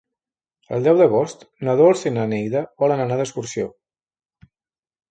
El deu d'agost na Dolça i na Neida volen anar d'excursió.